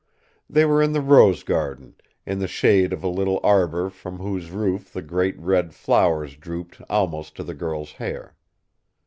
They were in the rose garden, in the shade of a little arbor from whose roof the great red flowers drooped almost to the girl's hair.